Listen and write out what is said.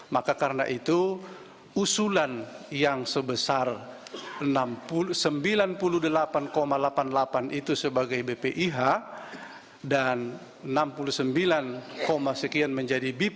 maka karena itu usulan yang sebesar sembilan puluh delapan delapan puluh delapan itu sebagai bpih dan enam puluh sembilan sekian menjadi bp